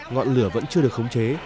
ngọn lửa vẫn chưa được khống chế